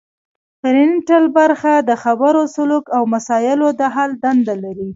فرنټل برخه د خبرو سلوک او مسایلو د حل دنده لري